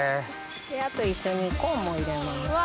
あと一緒にコーンも入れます。